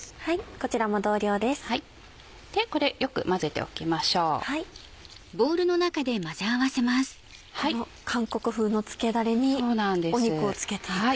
この韓国風の漬けだれに肉を漬けていく。